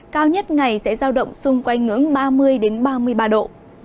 cao nhất ngày sẽ giao động xung quanh ngưỡng ba mươi ba mươi ba độ